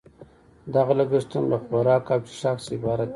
دغه لګښتونه له خوراک او څښاک څخه عبارت دي